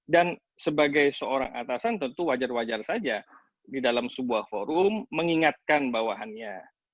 dan sebagai seorang atasan tentu wajar wajar saja di dalam sebuah forum mengingatkan bawahannya